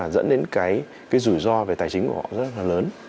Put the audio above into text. dẫn đến cái rủi ro về tài chính của họ rất là lớn